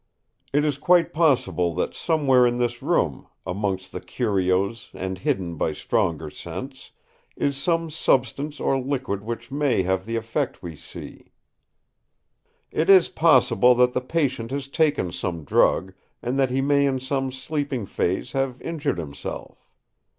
It is quite possible that somewhere in this room, amongst the curios and hidden by stronger scents, is some substance or liquid which may have the effect we see. It is possible that the patient has taken some drug, and that he may in some sleeping phase have injured himself.